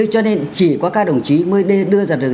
cho nên chỉ có các đồng chí mới đây đưa ra được